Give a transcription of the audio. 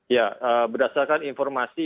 ya berdasarkan informasi